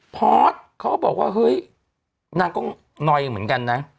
พอสเขาก็บอกว่าเฮ้ยนางก็นอยเหมือนกันนะ